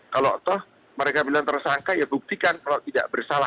kalau toh mereka bilang tersangka ya buktikan kalau tidak bersalah